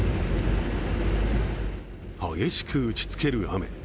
激しく打ちつける雨。